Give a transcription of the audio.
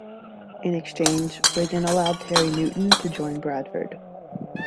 In exchange, Wigan allowed Terry Newton to join Bradford.